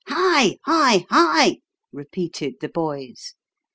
" Hi hi hi," repeated the boys.